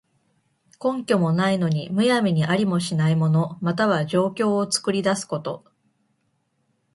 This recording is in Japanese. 根拠もないのに、むやみにありもしない物、または情況を作り出すこと。